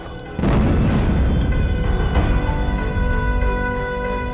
tidak ada potensi